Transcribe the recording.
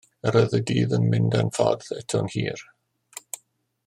Yr oedd y dydd yn mynd, a'n ffordd eto'n hir.